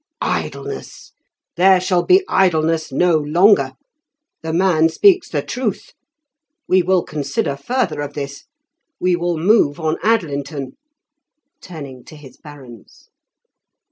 "Idleness! There shall be idleness no longer. The man speaks the truth; we will consider further of this, we will move on Adelinton," turning to his barons.